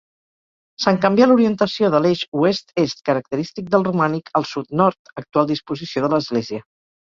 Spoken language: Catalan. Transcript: Se'n canvià l'orientació de l'eix oest-est característic del romànic, al sud-nord, actual disposició de l'església.